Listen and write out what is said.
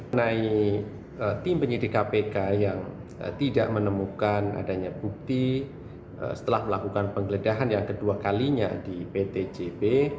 mengenai tim penyidik kpk yang tidak menemukan adanya bukti setelah melakukan penggeledahan yang kedua kalinya di ptjb